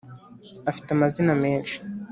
Afite amazina menshi